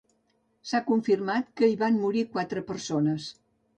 S'ha confirmat que hi van morir quatre persones.